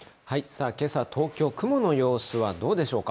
けさ東京、雲の様子はどうでしょうか。